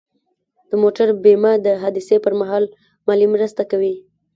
د موټر بیمه د حادثې پر مهال مالي مرسته کوي.